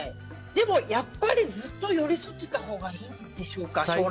でもやっぱりずっと寄り添ってたほうがいいんでしょうか。